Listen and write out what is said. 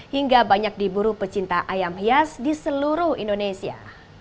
hingga banyak diburu pecinta ayam hias di seluruh indonesia